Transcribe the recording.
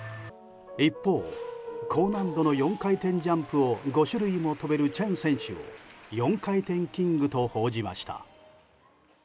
一方、高難度の４回転ジャンプを５種類も跳べるチェン選手を４回転キングと報じました。